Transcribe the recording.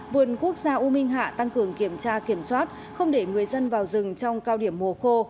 vườn quốc gia u minh hạ tăng cường kiểm tra kiểm soát không để người dân vào rừng trong cao điểm mùa khô